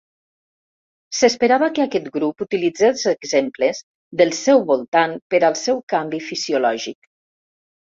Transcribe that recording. S'esperava que aquest grup utilitzés exemples del seu voltant per al seu canvi fisiològic.